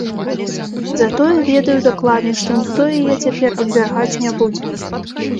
Затое ведаю дакладна, што ніхто яе цяпер абвяргаць не будзе.